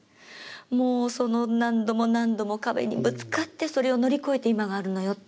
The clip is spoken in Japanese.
もう何度も何度も壁にぶつかってそれを乗り越えて今があるのよって。